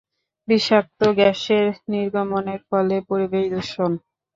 বিষাক্ত গ্যাসের নির্গমনের ফলে পরিবেশ দূষণ।